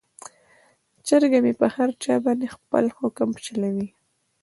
چرګه مې په هر چا باندې خپل حکم چلوي.